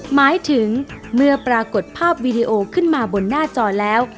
หมายถึงเมื่อปรากฏภาพวีดีโอขึ้นมาบนหน้าจอแล้ว